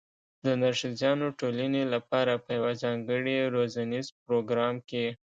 د نرښځیانو ټولنې لپاره په یوه ځانګړي روزنیز پروګرام کې